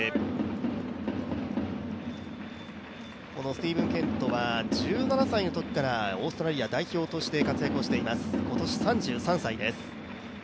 スティーブン・ケントは１７歳のときからオーストラリア代表として活躍しています、今年３３歳です。